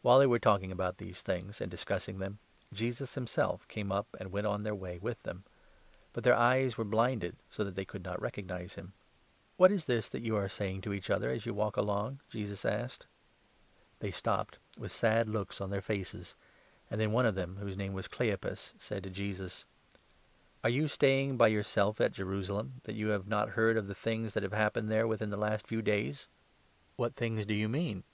While they were talking about these things and 15 discussing them, Jesus himself came up and went on their way with them ; but their eyes were blinded so that they 16 could not recognize him. " What is this that you are saying to each other as you walk 17 along ?" Jesus asked. They stopped, with sad looks on their faces, and then one of 18 them, whose name was Cleopas, said to Jesus : "Are you staying by yourself at Jerusalem, that you have not heard of the things that have happened there within the last few days ?" LUKE, 24. 161 "What things do you mean